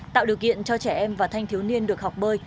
tạo điều kiện cho trẻ em và thanh thiếu niên được học bơi